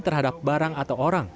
terhadap barang atau orang